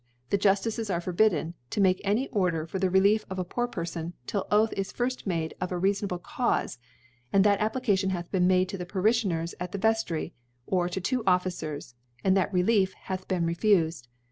the Juftices are forbidden * to make any Order for the Relief of a poor Perfon, 'till Oath is firft made of a reafon able Caufe ; and that A pplication hath been made to the Parilhioners at ihe Veftry, or to two Officers, and that Relief hath been refufcd.